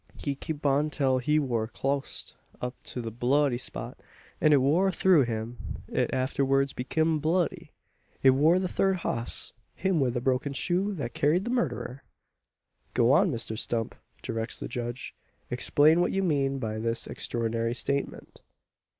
He kep on till he war clost up to the bloody spot; an it war through him it arterwards bekim bloody. It war the third hoss him wi' the broken shoe thet carried the murderer!" "Go on, Mr Stump!" directs the judge. "Explain what you mean by this extraordinary statement."